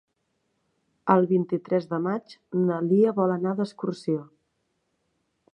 El vint-i-tres de maig na Lia vol anar d'excursió.